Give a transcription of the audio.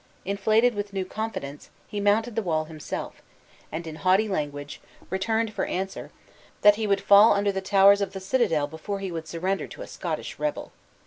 Inflated with new confidence, he mounted the wall himself, and in haughty language, returned for answer, "That he would fall under the towers of the citadel before he would surrender to a Scottish rebel.